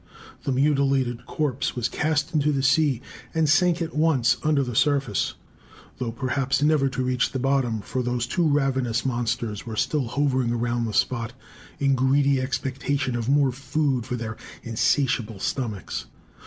The mutilated corpse was cast into the sea, and sank at once under the surface, though perhaps never to reach the bottom, for those two ravenous monsters were still hovering around the spot, in greedy expectation of more food for their insatiable stomachs.